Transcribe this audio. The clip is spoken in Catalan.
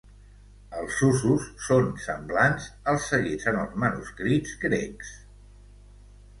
Els usos són semblants als seguits en els manuscrits grecs.